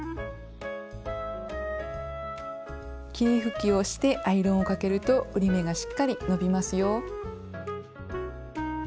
霧吹きをしてアイロンをかけると折り目がしっかり伸びますよ。